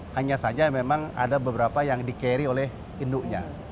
hanya saja memang ada beberapa yang di carry oleh induknya